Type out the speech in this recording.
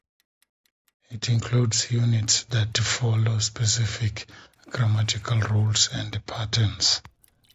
It includes units that follow specific grammatical rules and patterns.